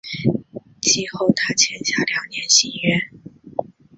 季后他签下两年新约。